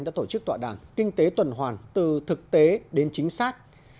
đã tổ chức tọa đàm kinh tế tuần hoàn từ thực tế đến chính xác